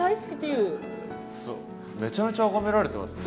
めちゃめちゃあがめられてますね。